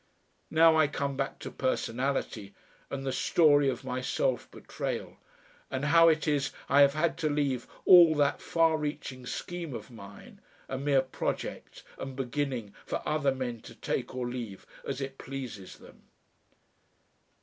Now I come back to personality and the story of my self betrayal, and how it is I have had to leave all that far reaching scheme of mine, a mere project and beginning for other men to take or leave as it pleases them.